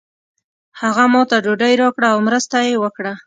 هغه ماته ډوډۍ راکړه او مرسته یې وکړه.